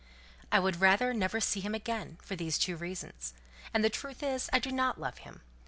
I would rather never see him again, for these two reasons. And the truth is, I do not love him.